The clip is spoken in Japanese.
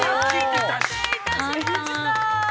◆完成いたしました。